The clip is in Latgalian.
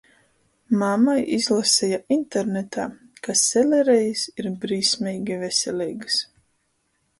Mama izlaseja internetā, ka selerejis ir brīsmeigi veseleigys...